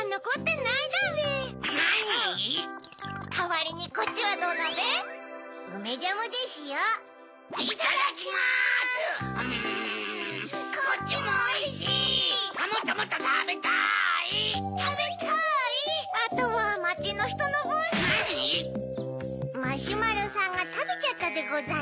なに⁉マシュマロさんがたべちゃったでござん